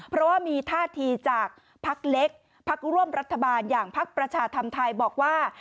เพราะว่ามีท่าทีจากพักเล็กพักร่วมรัฐบาลอย่างพักประชาธรรมไทยบอกว่า